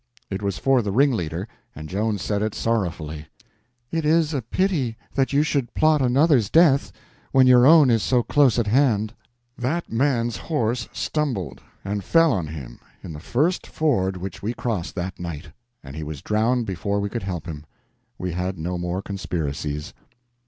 It was for the ringleader, and Joan said it sorrowfully: "It is a pity that you should plot another's death when your own is so close at hand." That man's horse stumbled and fell on him in the first ford which we crossed that night, and he was drowned before we could help him. We had no more conspiracies.